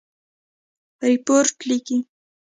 رپوټ لیکئ؟